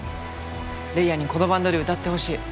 玲矢にこのバンドで歌ってほしい。